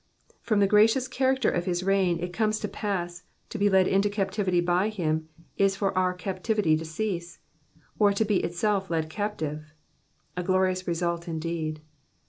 From the gracious character of his reign it comes to pass that to be led into captivity by him is for our captivity to cease, or to be itself led captive ; a glorious result indeed.